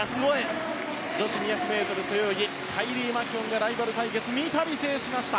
女子２００ｍ背泳ぎカイリー・マキュオンがライバル対決をみたび制しました。